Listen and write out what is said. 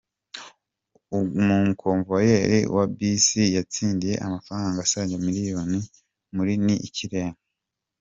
Umukomvayeri wa Bisi yatsindiye amafaranga asaga Miliyoni muri Ni Ikirengaaa.